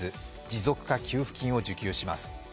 持続化給付金を受給します。